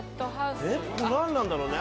ここ何なんだろうね。